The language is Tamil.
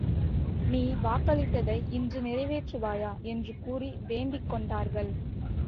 நீ வாக்களித்ததை இன்று நிறைவேற்றுவாயாக! என்று கூறி வேண்டிக் கொண்டார்கள்.